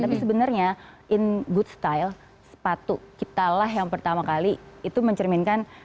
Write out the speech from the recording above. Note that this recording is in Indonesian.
tapi sebenarnya in good style sepatu kitalah yang pertama kali itu mencerminkan